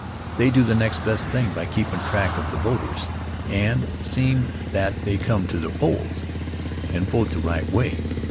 They do the next best thing by keepin' track of the voters and seem' that they come to the polls and vote the right way.